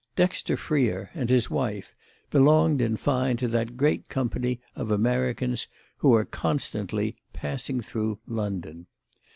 Dexter Freer and his wife belonged in fine to that great company of Americans who are constantly "passing through" London.